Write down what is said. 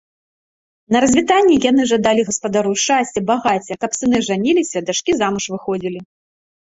На развітанне яны жадалі гаспадару шчасця, багацця, каб сыны жаніліся і дачкі замуж выходзілі.